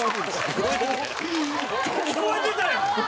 聞こえてたやん！